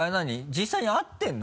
実際に会ってるの？